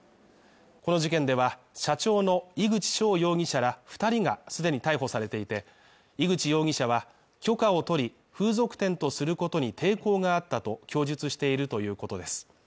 この事件では、社長の井口翔容疑者ら２人が既に逮捕されていて、井口容疑者は許可を取り、風俗店とすることに抵抗があったと供述しているということです。